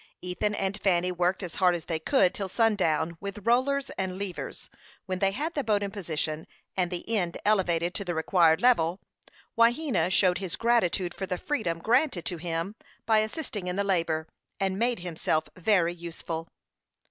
Ethan and Fanny worked as hard as they could till sundown with rollers and levers, when they had the boat in position, and the end elevated to the required level. Wahena showed his gratitude for the freedom granted to him by assisting in the labor, and made himself very useful.